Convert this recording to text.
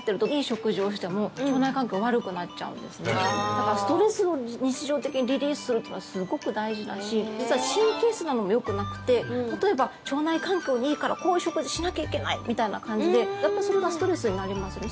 だから、ストレスを日常的にリリースするというのはすごく大事だし実は神経質なのもよくなくて例えば、腸内環境にいいからこういう食事をしなきゃいけないみたいな感じでやっぱりそれがストレスになりますよね。